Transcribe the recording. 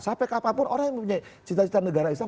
sampai kapanpun orang yang punya cita cita negara islam